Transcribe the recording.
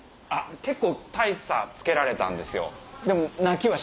結構大差つけられたんですよ。